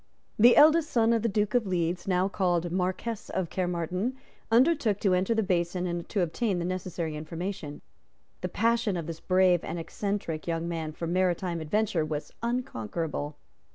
The eldest son of the Duke of Leeds, now called Marquess of Caermarthen, undertook to enter the basin and to obtain the necessary information. The passion of this brave and eccentric young man for maritime adventure was unconquerable.